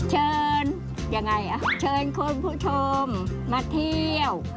เชิญยังไงอ่ะเชิญคุณผู้ชมมาเที่ยว